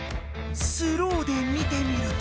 スローで見てみると。